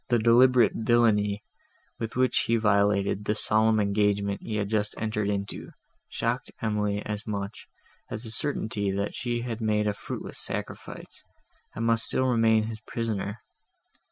The deliberate villany, with which he violated the solemn engagement he had just entered into, shocked Emily as much, as the certainty, that she had made a fruitless sacrifice, and must still remain his prisoner.